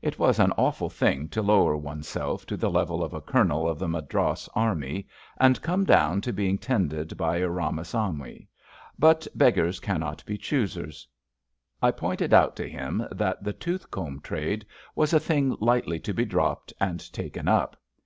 It was an awful thing to lower oneself to the level of a Colonel of the Madras Army, and come down to being tended by a Eamasawmy; but beg gars cannot be choosers. I pointed out to him that the tooth comb trade was a thing lightly to be dropped and taken up.